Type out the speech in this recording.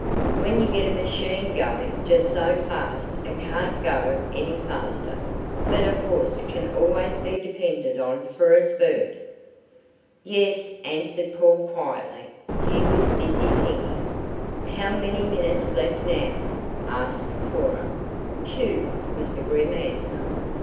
When you get a machine going just so fast it can't go any faster, but a horse can always be depended on for a spurt." "Yes," answered Paul quietly. He was busy thinking. "How many minutes lift now?" asked Cora. "Two," was the grim answer.